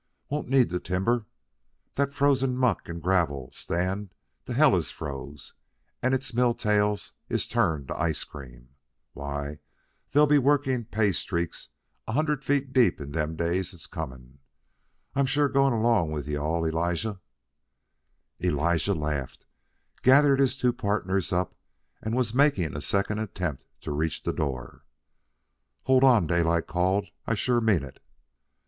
Won't need to timber. That frozen muck and gravel'll stand till hell is froze and its mill tails is turned to ice cream. Why, they'll be working pay streaks a hundred feet deep in them days that's comin'. I'm sure going along with you all, Elijah." Elijah laughed, gathered his two partners up, and was making a second attempt to reach the door. "Hold on," Daylight called. "I sure mean it."